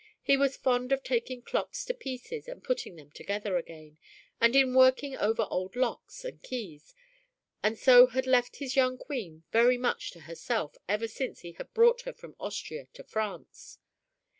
He was fond of taking clocks to pieces and putting them together again, and in working over old locks and keys, and so had left his young Queen very much to herself ever since he had brought her from Austria to France.